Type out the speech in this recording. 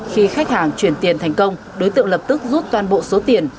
khi khách hàng chuyển tiền thành công đối tượng lập tức rút toàn bộ số tiền